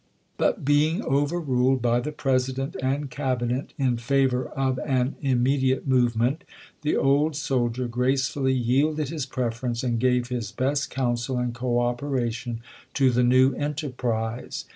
But, being overruled by "war. the President and Cabinet in favor of an immediate movement, the old soldier gracefully yielded his preference, and gave his best counsel and coopera tion to the new enterprise.